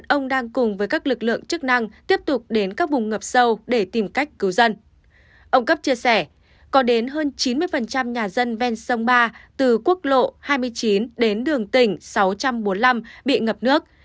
ông cấp chia sẻ có đến hơn chín mươi nhà dân ven sông ba từ quốc lộ hai mươi chín đến đường tỉnh sáu trăm bốn mươi năm bị ngập nước